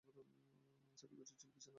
চাবির গোছা ছিল বিছানার গদিটার নীচে।